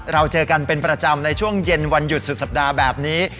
เราเจอกันเป็นประจำในช่วงเย็นวันหยุดสุดสัปดาห์แบบนี้